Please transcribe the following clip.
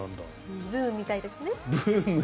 ブームみたいですね。